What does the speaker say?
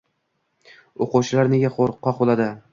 O'qituvchilar nega qo'rqoq bo'ladi?